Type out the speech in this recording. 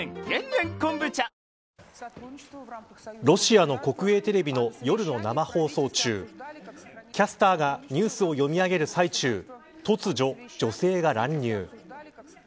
ロシアの国営テレビの夜の生放送中キャスターがニュースを読み上げる際中突如、女性が乱入。